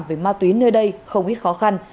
về ma túy nơi đây không ít khó khăn